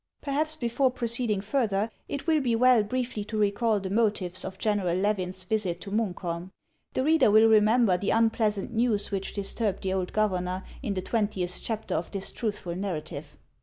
Perhaps before proceeding further, it will be well briefly to recall the motives of General Levin's visit to Munk holm. The reader will remember the unpleasant news which disturbed the old governor, in the twentieth chapter of this truthful narrative.